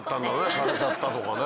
枯れちゃったとかね。